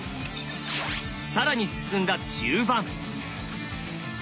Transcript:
更に進んだ中盤。